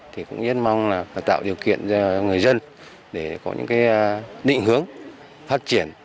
thì cũng rất mong là tạo điều kiện cho người dân để có những cái định hướng phát triển